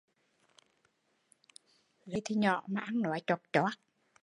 Người thì nhỏ mà ăn nói choác choác